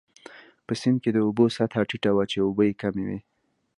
په سیند کې د اوبو سطحه ټیټه وه، چې اوبه يې کمې وې.